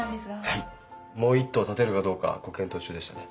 はいもう一棟建てるかどうかご検討中でしたね。